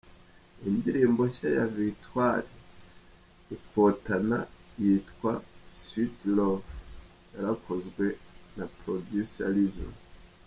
Indirimbo nshya ya Victor Rukotana yitwa ‘Sweet Love’ yarakozwe na Producer Iyzo.